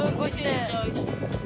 めっちゃおいしい。